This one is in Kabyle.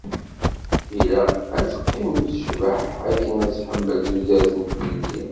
Ilaq ad teqqim tecbeḥ akken ad tḥemmel tudert d tlelli.